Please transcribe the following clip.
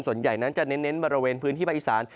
ส่วนใหญ่นั้นจะเน้นบริเวณพื้นที่ภาคอีสาน